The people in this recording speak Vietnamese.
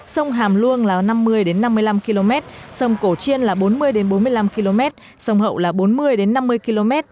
sông hàm luông là năm mươi năm mươi năm km sông cổ chiên là bốn mươi bốn mươi năm km sông hậu là bốn mươi năm mươi km